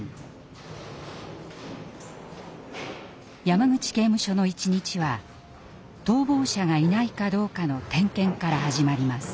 山口刑務所の一日は逃亡者がいないかどうかの点検から始まります。